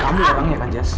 kamu orangnya kak jess